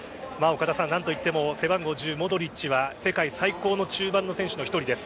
岡田さん、何といっても背番号１０・モドリッチは世界最高の中盤の選手の１人です。